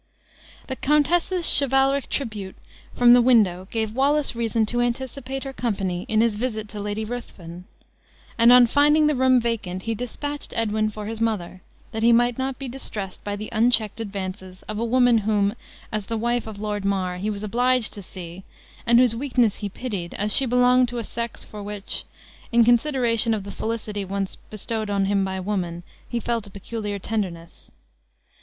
The countess' chivalric tribute from the window gave Wallace reason to anticipate her company in his visit to Lady Ruthven; and on finding the room vacant, he dispatched Edwin for his mother, that he might not be distressed by the unchecked advances of a woman whom, as the wife of Lord Mar, he was obliged to see, and whose weakness he pitied, as she belonged to a sex for which, in consideration of the felicity once bestowed on him by woman, he felt a peculiar tenderness.